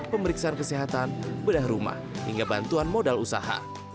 pemeriksaan kesehatan bedah rumah hingga bantuan modal usaha